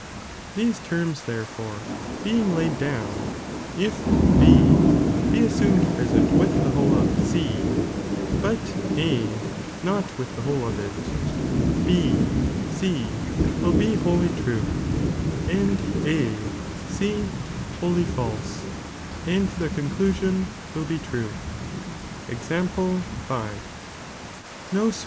These terms therefore being laid downy if B be assumed present with the whole of C, but A not with the whole of it, B C will be wholly true, and A C wholly false, and the conclusion will t Example (5.) ^^^.